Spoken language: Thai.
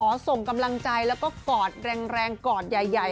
ส่งกำลังใจแล้วก็กอดแรงกอดใหญ่